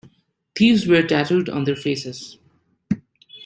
Thieves were tattooed on their faces.